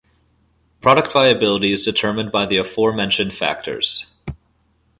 Product viability is determined by the aforementioned factors.